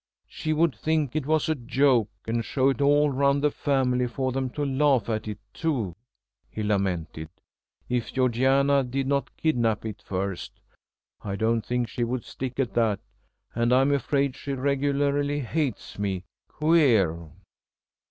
"She would think it was a joke and show it all round the family for them to laugh at it too," he lamented; "if Georgiana did not kidnap it first. I don't think she would stick at that, and I'm afraid she regularly hates me. Queer!"